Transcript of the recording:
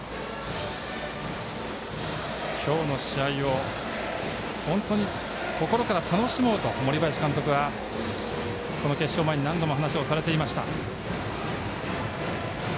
今日の試合を本当に心から楽しもうと森林監督はこの決勝前に何度も話をされていました。